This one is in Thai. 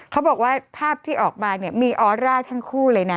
เขาบอกว่าภาพที่ออกมาเนี่ยมีออร่าทั้งคู่เลยนะ